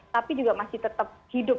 tapi juga masih tetap hidup